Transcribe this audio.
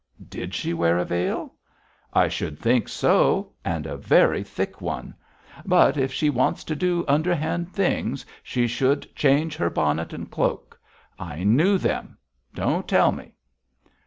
'Did she wear a veil?' 'I should think so; and a very thick one. But if she wants to do underhand things she should change her bonnet and cloak. I knew them! don't tell me!'